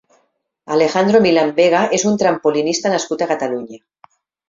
Alejandro Milán Vega és un trampolinista nascut a Catalunya.